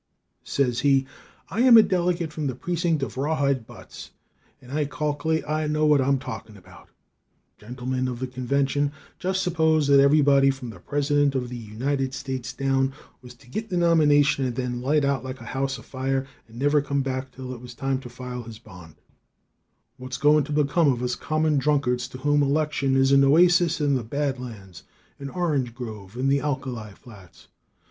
Says he, "I am a delegate from the precinct of Rawhide Buttes, and I calklate I know what I am talkin' about. Gentlemen of the convention, just suppose that everybody, from the President of the United States down, was to git the nomination and then light out like a house afire and never come back till it was time to file his bond; what's going to become of us common drunkards to whom election is a noasis in the bad lands, an orange grove in the alkali flats?